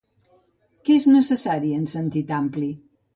Què és necessari, en el sentit ampli?